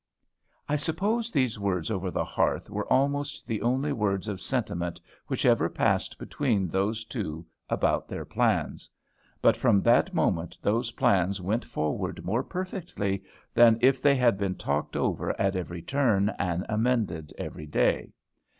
'" I suppose those words over the hearth were almost the only words of sentiment which ever passed between those two about their plans. But from that moment those plans went forward more perfectly than if they had been talked over at every turn, and amended every day.